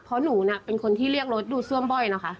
เพราะหนูเป็นคนที่เรียกรถดูดซ่วมบ่อยนะคะ